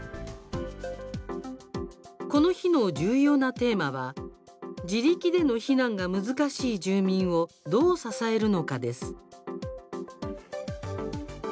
この日の重要なテーマは自力での避難が難しい住民をどう支えるのかです。